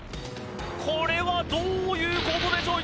これはどういうことでしょう